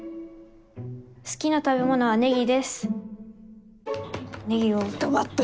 好きな食べ物はネギです。